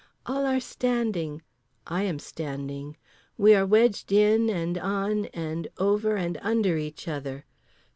All are standing. I am standing. We are wedged in and on and over and under each other.